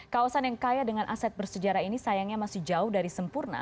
kawasan yang kaya dengan aset bersejarah ini sayangnya masih jauh dari sempurna